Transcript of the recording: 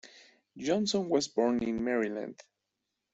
Johnson was born in Maryland.